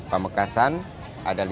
pamekasan ada lima ribu dua ratus